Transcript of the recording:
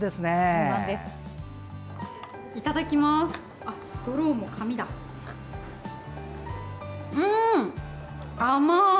うん、甘い。